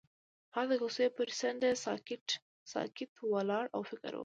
هغه د کوڅه پر څنډه ساکت ولاړ او فکر وکړ.